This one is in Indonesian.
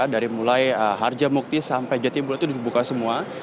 dari mulai harja mukti sampai jatimbul itu dibuka semua